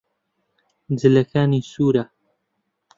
جلەکانی سوورە.